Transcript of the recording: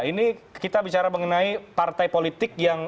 ini kita bicara mengenai partai politik yang